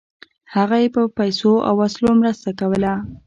هغه یې په پیسو او وسلو مرسته کوله.